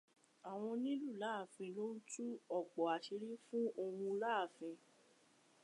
Àwọn onílù láàfin ló ń tú ọ̀pọ̀ àṣírí fún òhun láàfin.